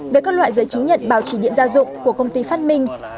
về các loại giấy chứng nhận bảo trì điện gia dụng của công ty phát minh